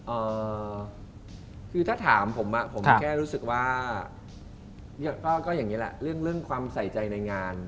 เอ่อคือถ้าถามผมอ่ะผมแค่รู้สึกว่าก็ก็อย่างนี้แหละเรื่องเรื่องความใส่ใจในงาน